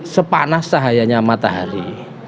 sepanas cahayanya matahari